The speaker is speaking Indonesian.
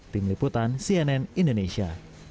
tim liputan cnn indonesia